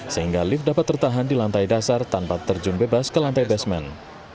sehingga lift dapat tertahan di lantai dasar tanpa terjun bebas ke lantai basement